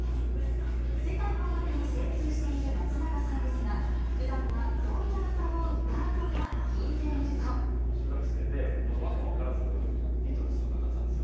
世界の音楽に精通している松永さんですが、ふだんはどんな歌を歌中学生で訳も分からず、ビートルズとか歌ってたんですよ。